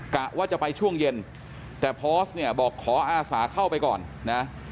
กะว่าจะไปช่วงเย็นแต่พอสเนี่ยบอกขออาสาเข้าไปก่อนนะ